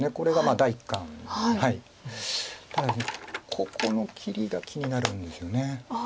ただしここの切りが気になるんですよね。